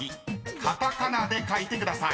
カタカナで書いてください］